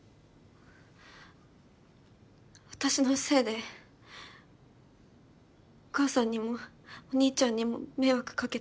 私のせいでお母さんにもお兄ちゃんにも迷惑かけたから。